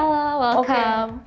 halo selamat datang